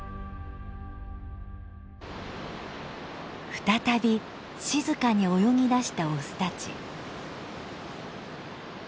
再び静かに泳ぎだしたオスたち。